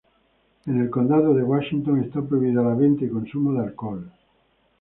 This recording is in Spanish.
En el Condado de Washington está prohibida la venta y consumo de alcohol.